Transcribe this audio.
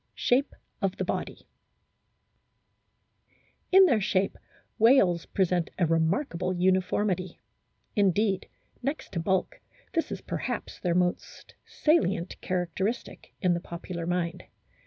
SHAPE OF THE BODY In their shape whales present a remarkable uni formity ; indeed, next to bulk, this is perhaps their most salient characteristic in the popular mind.